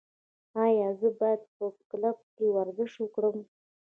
ایا زه باید په کلب کې ورزش وکړم؟